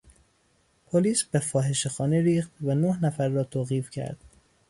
پلیس به فاحشه خانه ریخت و نه نفر را توقیف کرد.